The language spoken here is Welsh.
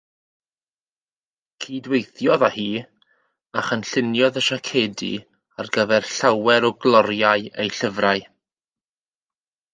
Cydweithiodd â hi a chynlluniodd y siacedi ar gyfer llawer o gloriau ei llyfrau.